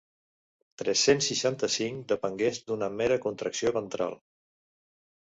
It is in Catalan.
Tres-cents seixanta-cinc depengués d'una mera contracció ventral.